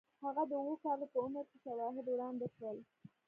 هغه د اوو کالو په عمر کې شواهد وړاندې کړل